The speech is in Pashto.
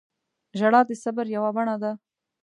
• ژړا د صبر یوه بڼه ده.